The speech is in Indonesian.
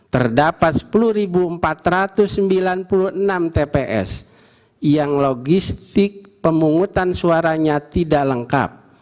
terdapat sepuluh empat ratus sembilan puluh enam tps yang logistik pemungutan suaranya tidak lengkap